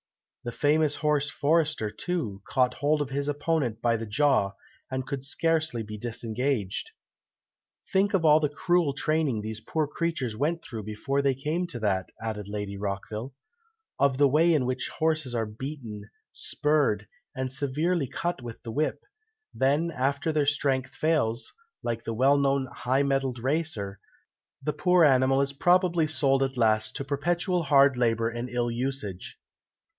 The famous horse Forester, too, caught hold of his opponent by the jaw, and could scarcely be disengaged." "Think of all the cruel training these poor creatures went through before they came to that," added Lady Rockville; "of the way in which horses are beaten, spurred, and severely cut with the whip; then, after their strength fails, like the well known 'high mettled racer,' the poor animal is probably sold at last to perpetual hard labour and ill usage."